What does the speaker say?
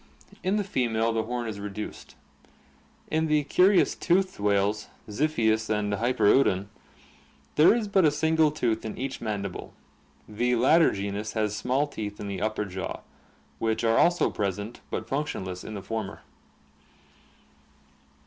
In the female the horn is reduced. In the curious toothed whales, Ziphius and Hyperoddon, there is but a single tooth in each mandible. The latter genus has small teeth in the upper jaw, which are also present but f unctioniess in the former.